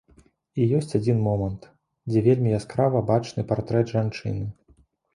І ёсць адзін момант, дзе вельмі яскрава бачны партрэт жанчыны.